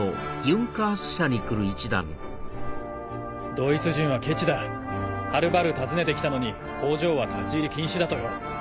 ドイツ人はケチだはるばる訪ねて来たのに工場は立ち入り禁止だとよ。